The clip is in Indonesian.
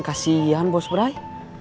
kasian bos brai